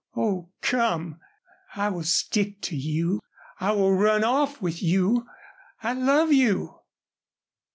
Oh, come! I will stick to you. I will run off with you. I love you!"